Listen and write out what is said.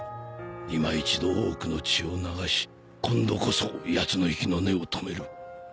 いま一度多くの血を流し今度こそやつの息の根を止める。